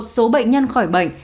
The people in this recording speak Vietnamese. một số bệnh nhân khỏi bệnh